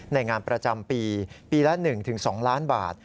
ในงานประจำปีปีละหนึ่งถึงสองล้านบาท